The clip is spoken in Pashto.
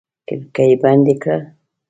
کړکۍ بندې کړه!